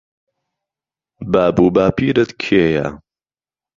باب و باپیرت کێيه